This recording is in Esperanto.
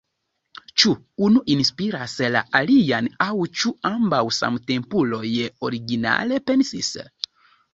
Ĉu unu inspiris la alian aŭ ĉu ambaŭ, samtempuloj, originale pensis?